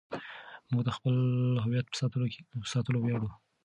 موږ د خپل هویت په ساتلو ویاړو.